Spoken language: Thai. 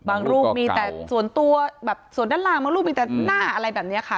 บางรูปมีแต่ส่วนด้านล่างมีแต่หน้าอะไรแบบนี้ค่ะ